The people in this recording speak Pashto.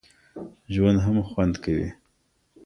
ژوند هم خوند کوي.